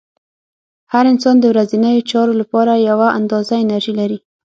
هر انسان د ورځنیو چارو لپاره یوه اندازه انرژي لري.